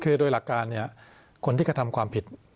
คือโดยหลักการเนี่ยคนที่กระทำความผิด